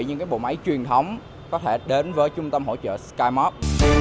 những bộ máy truyền thống có thể đến với trung tâm hỗ trợ skymark